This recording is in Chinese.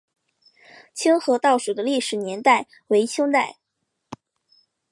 清河道署的历史年代为清代。